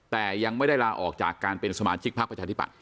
แต่ยังไม่ได้ลาออกจากการเป็นสมาชิกพักประชาธิบัตย